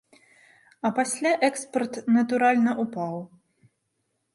А пасля экспарт, натуральна, упаў.